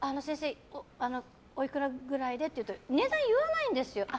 おいくらくらいで？って聞くと値段を言わないんですよ。